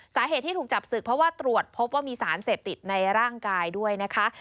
สาเหตุที่ถูกจับศึกเพราะว่าตรวจพบว่ามีสารเสพติดในร่างกายด้วยนะคะ